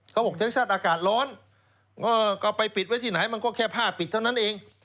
เขาบอกเทคชั่นอากาศร้อนก็ไปปิดไว้ที่ไหนมันก็แค่ผ้าปิดเท่านั้นเอง